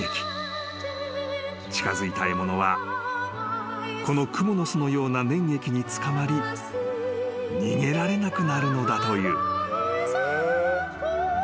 ［近づいた獲物はこのクモの巣のような粘液に捕まり逃げられなくなるのだという］